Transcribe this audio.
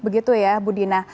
begitu ya budina